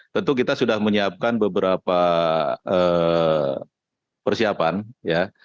tentu kita sudah menyiapkan beberapa persiapan ya